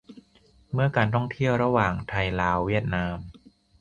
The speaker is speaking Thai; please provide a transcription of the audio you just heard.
เมื่อการท่องเที่ยวระหว่าง ไทยลาวเวียดนาม